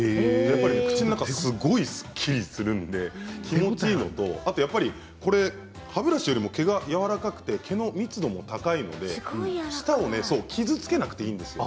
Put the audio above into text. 口の中すごいすっきりするんで気持ちいいのとあとやっぱりこれは歯ブラシより毛がやわらかくて毛の密度も高いので舌を傷つけずに済むんです。